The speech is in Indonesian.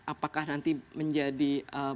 apakah nanti menjadi